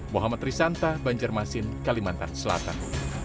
muhammad risanta bancar masin kalimantan selatan